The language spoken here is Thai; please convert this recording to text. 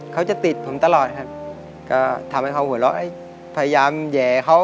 เขาจะติดผมตลอดครับก็ทำให้เขาหัวเราะพยายามแห่เขา